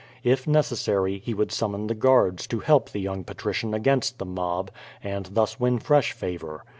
If neces sary he would summon the guards to help the young patrician against the mob, and thus win fresh favor.